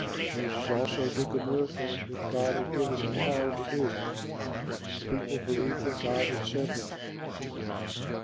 Moses also did the miracles which God had given him power to do, and the people believed that God had sent him.